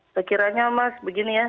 sekiranya mas begini ya